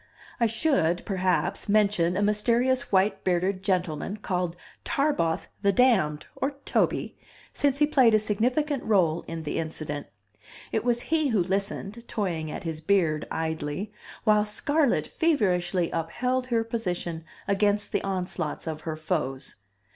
I should, perhaps, mention a mysterious white bearded gentleman called Tarboth the damned, or Toby, since he played a significant role in the incident. It was he who listened, toying at his beard idly, while Scarlett feverishly upheld her position against the onslaughts of her foes.